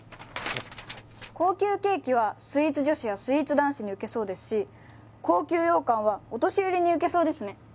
高級ケーキはスイーツ女子やスイーツ男子に受けそうですし高級ようかんはお年寄りに受けそうですね。